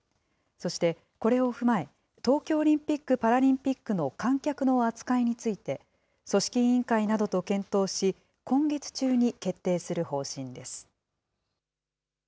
そして、これを踏まえ、東京オリンピック・パラリンピックの観客の扱いについて、組織委員会などと検討し、今月中に決定する方針